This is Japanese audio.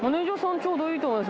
ちょうどいいと思います